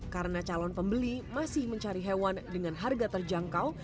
karena calon pembeli masih mencari hewan dengan harga terjangkau